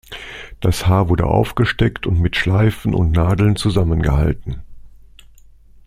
Das Haar wurde aufgesteckt und mit Schleifen und Nadeln zusammengehalten.